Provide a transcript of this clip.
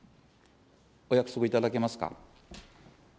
お約束いただけますか。